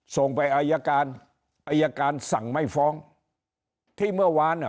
ส่งไปอายการอายการสั่งไม่ฟ้องที่เมื่อวานอ่ะ